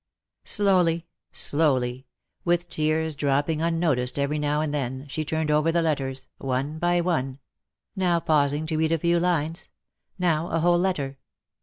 Slowly, slowly, with tears dropping unnoticed every LE SECRET DE POLICHINELLE. 2G5 now and then^ she turned over the letters_, one by one — now pausing to read a few lines — now a whole letter.